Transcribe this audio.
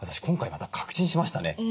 今回また確信しましたね。